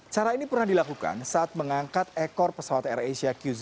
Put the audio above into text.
cara ini pernah dilakukan saat mengangkat ekor pesawat air asia q